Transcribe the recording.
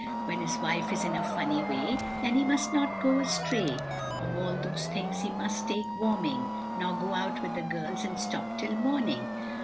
When his wife is in a funny way, Then he must not go astray; Of all those things he must take warning, Nor go out with the girls and stop till morning.